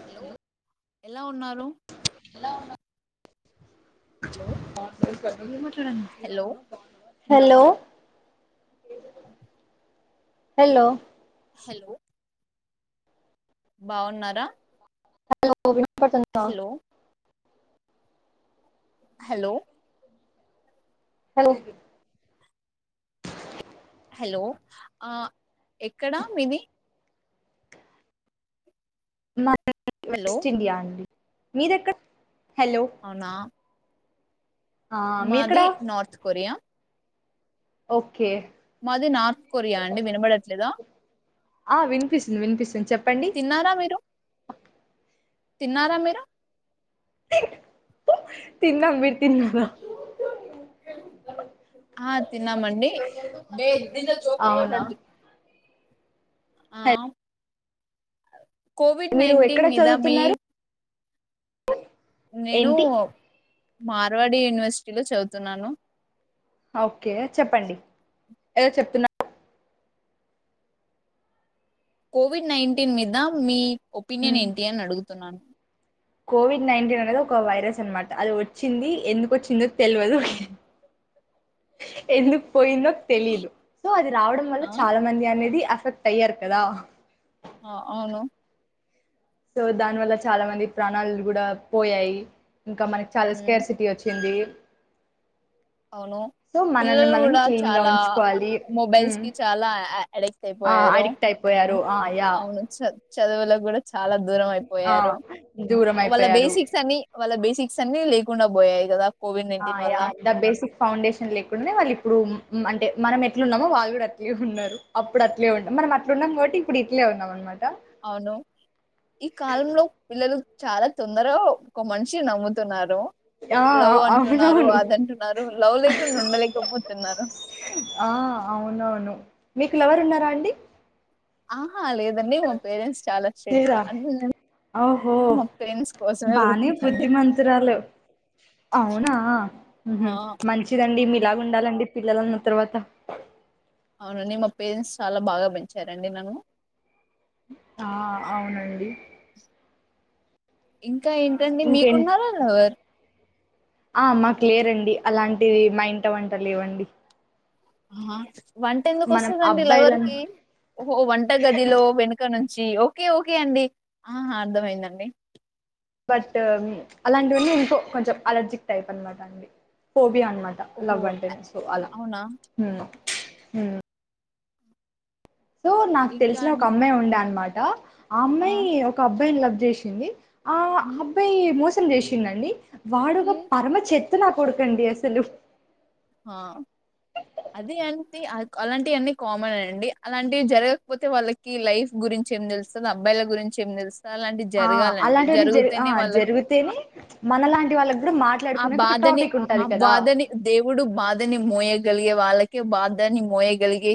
Hello ఎలా ఉన్నారు ఎలా ఉన్నా hello hello [unintelligible] hello hello hello బావున్నారా హలో కో పతన్ ఆ హలో హలో హలో ఆ ఎక్కడా మీది మ హలో వెస్ట్ ఇండియా అండి మీదెక్క అ ఆ మీరెక్కడ మాది నార్త్ కొరియా ఓ మాది నార్త్ కొరియా అండి వినబడట్లేదా ఆ వినిపిసింది వినిపిస్తుంది చెప్పండి తిన్నారా మీరు తిన్నారా మీరు తన్నాం బీర్ ఆ తిన్నామండి అవునా ఆ కోవిడ్ మీరు ఎక్కడ నాైన్టీన్ మీద మీ చదువుతున్నారు నేను ఏంటి మార్వాడి యూనివర్సిటీలో చదువుతున్నాను అ ఓకే చెప్పండి ఏదో చెప్తున్నా కోవిడ్ నైన్టీన్ మీద మీ ఒపీనియన్ ఏంటి అని అడుగుతున్నాను కోవిడ్ నైన్టీన్ అనేది ఒక వైరస్ అనమాట అది వచ్చింది ఎందుకు వచ్చిందో తెలియదు ఎందుకు పోయిందో తెలిదు సో అది రావడం వల్ల ఆ చాలా మంది అనేది ఎఫెక్ట్ అయ్యారు కథ ఆ అవును సో దాని వల్ల చాలా మంది ప్రాణాలు కూడా పోయాయి ఇంకా మనకి చాలా ఉమ్ స్క్వేర్ సిటీ వచ్చింది అవును సో మనల్ని పిల్లలు మనం కూడా క్లీన్ గా చాలా ఉంచుకోవాలి మొబైల్స్ ఉమ్ కి చాలా యా అడిక్ట్ ఆ అయిపోయారు అడిక్ట్ అయిపోయారు ఆ యా అవును సర్ చదువులో కూడా చాలా దూరం ఆ అయిపోయారు దూరం వాళ్ళ అయిపోయారు బేసిక్స్ అని వాళ్ళ బేసిక్ సన్నీ లేకుండా పోయాయి కదా కోవిడ్ ఆ నైన్టీన్ వల్ల యా బేసిక్ ఫౌండేషన్ లేకుండానే వాళ్ళు ఇప్పుడు అంటే మనం ఎట్లు ఉన్నామో వాళ్ళు కూడా అట్లే ఉన్నారు అప్పుడు అట్లే ఉన్నాం మనం అట్లు ఉన్నాం కాబట్టి ఇప్పుడు ఇట్లే ఉన్నాం అనమాట అవును ఈ కాలంలో పిల్లలు చాలా తొందరగా ఒక మనిషిని నమ్ముతున్నారు ఆ లవ్ అంటున్నారు అవునవును అదంటున్నారు లవ్ లేకుండా ఉండలేకపోతున్నారు ఆ అవునవును మీకు లవరు ఉన్నారా అండి ఆ లేరా అంటే ఓహో నేను మా పేరెంట్స్ కోసమే బానే బ్రతుకుతాండి బుద్ధిమన్ తురాలు అవునా ఆ మంచిదండి మీ లాగ ఉండాలండి పిల్లలన్న తర్వాత అవునండి మా పేరెంట్స్ చాలా బాగా పెంచారండి నన్ను ఆ అవునండి ఇంకా ఆ ఏంటండి ఇంకేం మీకున్నార లవర్ ఆ మాకు లేరండి అలాంటివి మా ఇంట వంట లేవండి హా వంట ఎందుకు మనం వస్దండి లవర్ అబ్బాయిలం కి ఓహొ వంట గదిలో వెనుక నుంచ్ జీ ఓకే ఓకే అండి ఆ అర్థమయిందండి బట్ అలాంటివన్నీ ఇంకో కొంచెం అలర్జిక్ టైప్ అనమాట అండి పోబియా అ మట ఓహో లవ్ అంటేనే సో అలా అవునా ఉమ్ ఉమ్ సో నాకు ఇంకా తెలిసిన ఒక అండి అమ్మాయి ఉండే అన్మాట హలో ఆ అమ్మాయి ఒక అబ్బాయిని లవ్ చేసింది ఆ హ్మ్ అబ్బాయి మోస్ సమ్ చేసిండన్డి వాడుగా హ్మ్ పరమ చెత్ త్త నాకొడుకన్డి అసలు ఆ అదే అంతే అద్ అలాంటివివన్నీ కామన్ అండి అలాంటివి జరగకపోతే వాళ్ళకి లైఫ్ గురించి ఏం తెలుస్తది అబ్బాయిల గురించి ఏం తెలుస్ ఆ అలాంటివన్న జరి ఆ వాళ్ళకి జరిగితేనే మనలాంటి వాళ్ళకి కూడా మాట ఆ బాధని ఆ బాధని దేవుడు బాధని మోయ వాళ్ళక బాధ ని మోయగాల్గే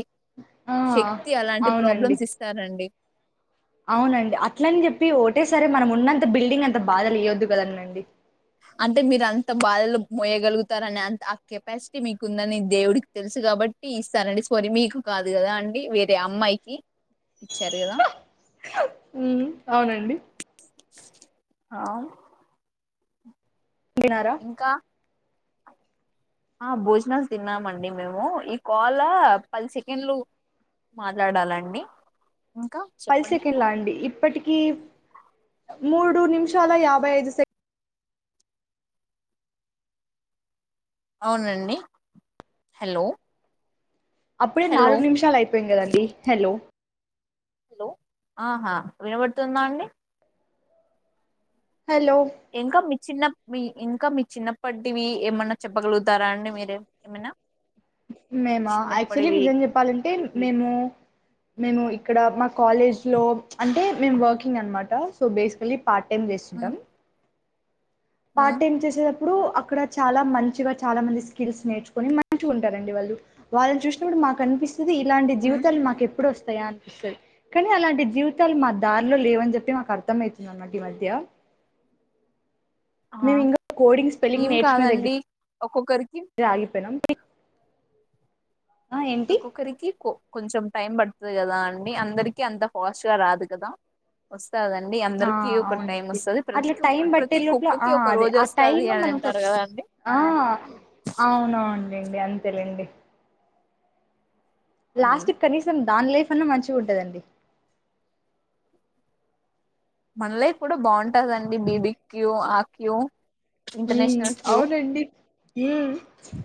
ఆ శక్తి అలాంటి అవునండి ప్రాబ్లమ్స్ ఇస్తారండి అవునండి అట్లని చెప్పి ఒకటేసారి మనం ఉన్నంత బిల్డింగ్ అంత బాధ లేయొద్దు కదనండి అంటే మీరు అంత బాధలు మోయగలుగుతార అనే అంత ఆ కెపాసిటీ మీకుందని దేవుడికి తెలుసు కాబట్టి ఇస్తారంండి సారీ మీకు కాదు కదా అండి వేరే అమ్మాయికి ఇచ్చారు కదా ఉ అవునండి ఆ వినారా ఇంకా భోజనాలు తిన్నామండి మేము ఈ కాల్ పది సెకండ్లు మాట్లాడాలండి ఇంకా పది చెప్పండి సెకండ్లా అండి ఇప్పటిక మూడు నిమిషాల యాభై ఐదు సెక అవునండి హలో అప్పుడే హలో నాలుగు నిమిషాలు అయిపోయింది కదండి హలో హలో ఆహా వినబడుతుందా అండి హలో ఇంకా మీ చిన్న మీ ఇంకా మీ చిన్నప్పటివి ఏమైన్నా చెప్పగలుగుతారా అండి మీరే ఏమైనా మేము యాక్చువల్లీ చిన్నప్పటివి నిజం చెప్పాలంటే మేము మేము ఇక్కడ మా కాలేజ్ లో అంటే మేము వర్కింగ్ అనమాట సో బేసికలీ పాార్ట్ టైం చేేస్తుంటాం పార్ట్ మ్మ్ టైమ్ చేసే ఇప్పుడు అక్కడ చాలా మంచిగా చాలా మంది స్కిల్స్ నేర్చుకొని మంచిగా ఉంటారండి వాళ్ళు వాళ్ళని చూసినప్పుడు మాకు అనిపిస్తు ఇలాంటి హ్మ్ జీవితాలు మాకు ఎప్పుడు వా అనిపిస్తుంది కానీ అలాంటి జీవితాలు మా దారిలో లేవని చెప్పి మాకు అర్థమ అవుతుంది అన్నమాట ఈ మధ్య ఆ మేము ఇంకా కోడింగ్ స్పెల్లింగ్ ఏం నేర్చుకునే కాదండి ఒక్కొక్కరికి దగ్గర ఆగిపోయినాం ఆ ఏంటి ఒకక్కక్కరికి కో కొంచం టైం పడుతుంది కదా అండి అందరికీ అంత ఫాస్ట్ గా రాదు కదా వ ఆ అవునండి ప్రతి అట్లా టైం పట్టే ప్రతి లోట్ల ఆ కుక్కకి ఒక అదే రోజు ఆ వస్తది టైమ్ అని మనకుచ్చ అంటారు కదా అండి ఆ అవునవునండి అంతేలేండి లాస్ట్ కనీసం దాని లైఫ్ అన్నా మంచిగా ఉంటదండి మన లైఫ్ కూడా బాగుంటదండి బీబిక్ క్యూ ఆ క్యూ ఇంటర్నేషనల్ క్యూ అవునండి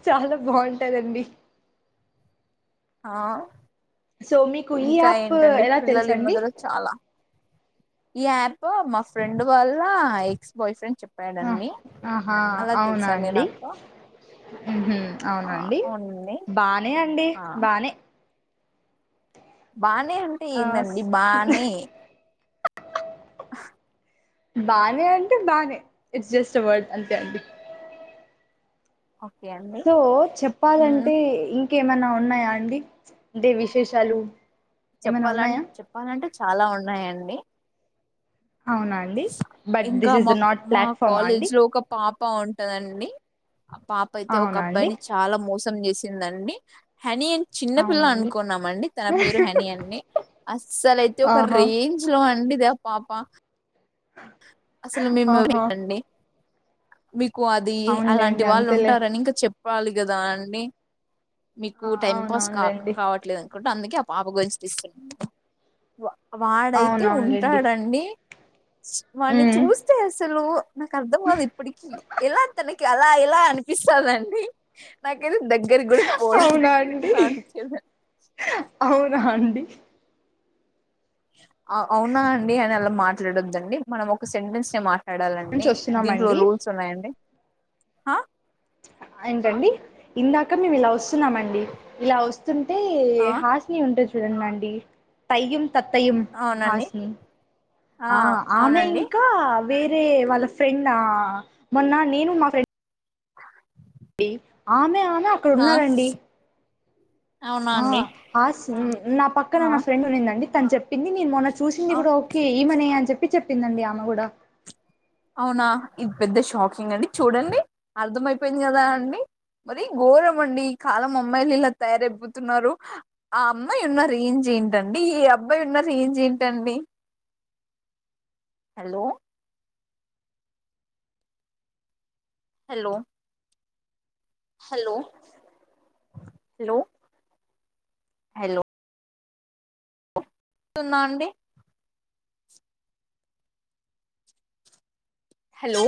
చాలా బావుంటదండి ఆ సో మీకు ఈ ఇంకా యాప్ ఏంటండి ఎలా పిల్లలు ఈ తెల్సండి మధ్యలో చాలా ఈ యాప్ మా ఫ్రెండ్ వాళ్ళ ఎక్స్ బాయ్ ఫ్రెండ్ చెప్ ఆ ఆహా అవునా అండి నాకు ఆ అవునండి అవునండి బానే అండి ఆ బానే బానే ఉంటే ఆ ఏందండి బానే ఆ బానే అంటే బానే ఇట్స్ జస్ట్ ఎ వర్డ్ అంతే ఓకే అండి సో మ్మ్ చెప్పాలంటే ఇం కేమైనా ఉన్నాయా అండి అంటే విశేషాలు ఏమైనా చెప్పాలం ఉన్నాయా చెప్పాలంటే చాలా ఉన్నాయండి. అవునా అండి బట్ ఇంకా దిస్ ఇస్ ద నాట్ ప్లాట్ఫామా అండి బాగుంటదండి. ఆ పాప అయితే ఒక అవునా అండి అబ్బాయిని చాలా మోస మొత్తం చేసిందండి. హనీ ఏం అవునా చిన్నపిల్ల అండి అనుకున్నామండి. తన పేరు హనీ అండి అస్సలయితే ఒక ఆహా రేంజ్లో అండి అదే పాపా అసలు మేము ఆహా మిక్ ఎక్కువ అది అలాంటి అవునులేండి వాళ్ళు అంతేలే ఉంటారని ఇంక చెప్ చెప్పాలి కదా అండి మీకు ఆ టైం పాస్ కా అవునవునులేండి కావట్లే అందుకే ఆ పాప గురించి తీస్ వాడైతే అవునవునులేండి ఉంటాడండి వాణ్ని హ్మ్. చూస్తే అసలు నాక్ అర్థం కాదు ఇప్పటికి ఎలా తన అలా ఇలా పిస్తదండి. నాక్ దగ్గర గుడా అవునా అండి పొందండి [inaudible] అవునా అండి అవునా అండి అనలా మాట్లాడోద్దండి మనం ఒక సెంటెన్స్ మా ట్లాడలండి నుంచి దీంట్లో వస్తున్నామండి రూల్స్ ఉన్నాయండి. ఆ ఏంటండి. ఇందాక మేం ఇలా వస్తున్నామండి ఇలా వస్ వస్తుంటే ఆ హాస్ని ఉంటద్ తిరన్ మాండి పైగిన్ తత్తయుమ్ అవునండి హాస్ని ఆ ఆమె అవునండి ఇంకా వేరే వాళ్ళ ఫ్రెండా మొన్న నేను మా ఫ్రెండ్ డి ఆమె ఆమ్ తే అక్కడ ఆ ఉన్నారండి అవునా ఆ అండి హాస్ నా పక్కన నా ఆ ఫ్రెండ్ ఉన్నిందండి తను చెప్ చెప్పింది నేను మొన్న చూసింది కూడా ఓకే ఈమనే అని చెప్పి చెప్ చెప్పిందండి ఆమె కూడా అవునా ఇది పెద్ద షాకింగ్ అండి చూడండి అర్థమయిపోయింది కదా అండి మరి ఘోరం అండి ఈ కాలం అమ్మాయిలు ఇలా తయారైపోతున్నారు ఆ అమ్మాయి ఉన్న రేంజెంతండి ఈ అబ్బాయి ఉన్న రేంజెంతండి hello hello hello hello hello తుందా అండి హలో